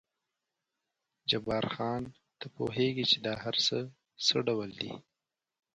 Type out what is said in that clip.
جبار خان، ته پوهېږې چې دا هر څه څه ډول دي؟